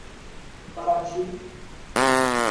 Paraty